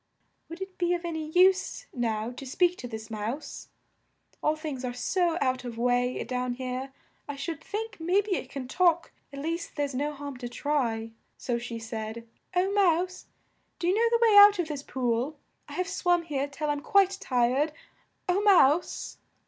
"Would it be of an y use now to speak to this mouse? All things are so out of way down here, I should think may be it can talk, at least there's no harm to try." So she said: "O Mouse, do you know the way out of this pool? I have swum here till I'm quite tired, O Mouse!"